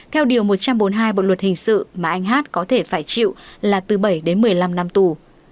theo điều một trăm bốn mươi hai bộ luật hình sự mà anh hát có thể phải chịu là từ bảy đến một mươi năm năm tù